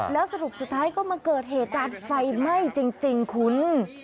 แล้วสรุปสุดท้ายก็มาเกิดเหตุการณ์ไฟไหม้จริงคุณ